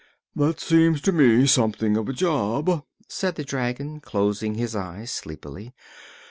"That seems to me something of a job," said the dragon, closing his eyes sleepily.